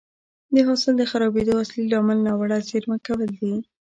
د حاصل د خرابېدو اصلي لامل ناوړه زېرمه کول دي